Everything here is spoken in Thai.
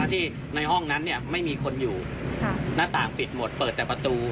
ที่ในห้องนั้นไม่มีคนอยู่หน้าต่างปิดหมดเปิดแต่ประตู